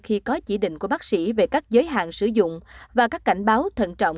khi có chỉ định của bác sĩ về các giới hạn sử dụng và các cảnh báo thận trọng